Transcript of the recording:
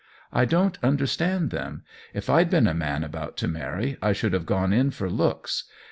I don't understand them. If I'd been a man about to marry I should have gone in for looks.